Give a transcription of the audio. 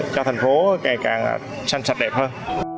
cho thành phố càng càng sanh sạch đẹp hơn